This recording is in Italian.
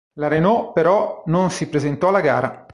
La Renault però non si presentò alla gara.